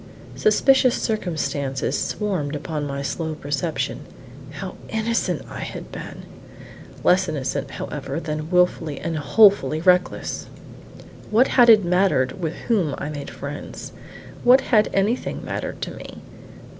Suspicious circumstances swarmed upon my slow perception: how innocent I had been! Less innocent, however, than wilfully and wholly reckless: what had it mattered with whom I made friends? What had anything mattered to me?